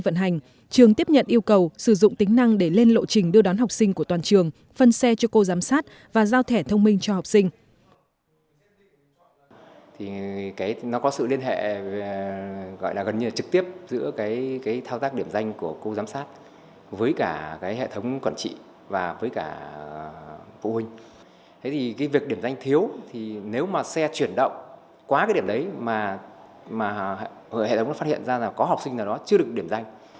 trường tiếp nhận yêu cầu sử dụng tính năng để lên lộ trình đưa đón học sinh của toàn trường